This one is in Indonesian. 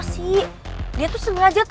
kayaknya turned up udah boba lo kan